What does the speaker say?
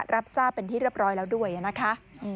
รับทราบเป็นที่เรียบร้อยแล้วด้วยนะคะ